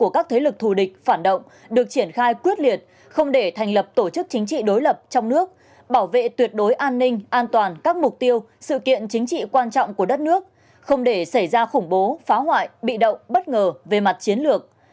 công tác phòng ngừa phát hiện ngăn chặn vô hiệu hóa âm mưu hoạt động được triển khai quyết liệt không để thành lập tổ chức chính trị đối lập trong nước bảo vệ tuyệt đối an ninh an toàn các mục tiêu sự kiện chính trị quan trọng của đất nước không để xảy ra khủng bố phá hoại bị động bất ngờ về mặt chiến lược